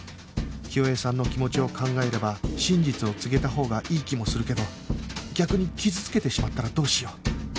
清江さんの気持ちを考えれば真実を告げたほうがいい気もするけど逆に傷つけてしまったらどうしよう？